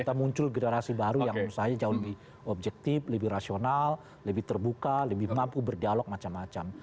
kita muncul generasi baru yang menurut saya jauh lebih objektif lebih rasional lebih terbuka lebih mampu berdialog macam macam